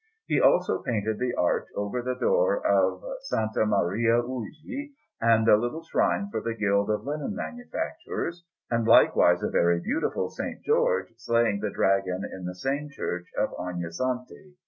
He also painted the arch over the door of S. Maria Ughi, and a little shrine for the Guild of Linen Manufacturers, and likewise a very beautiful S. George, slaying the Dragon, in the same Church of Ognissanti.